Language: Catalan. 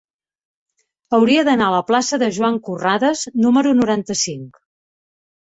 Hauria d'anar a la plaça de Joan Corrades número noranta-cinc.